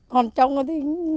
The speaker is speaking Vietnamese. còn trong thì